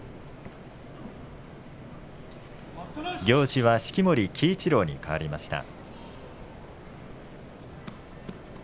行司は式守鬼一郎にかわりました。